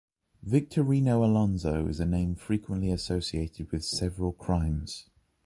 Victorino Alonso, a name frequently associated with several crimes.